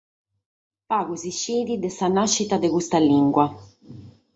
Pagu s’ischit de sa nàschida de custa limba.